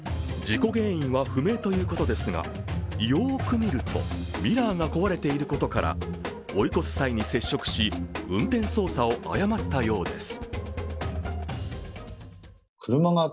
事故原因は不明ということですが、よく見ると、ミラーが壊れていることから追い越す際に接触し運転操作を誤ったようです。